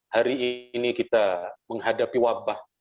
hari ini kita menghadapi wabah